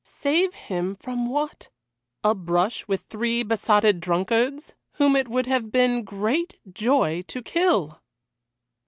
Save him from what? A brush with three besotted drunkards, whom it would have been great joy to kill!